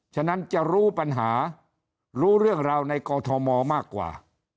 ฉะนั้นจะรู้ปัญหารู้เรื่องราวในกอทมมากกว่า